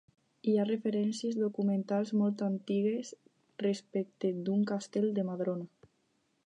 Hi ha referències documentals molt antigues respecte d'un castell de Madrona.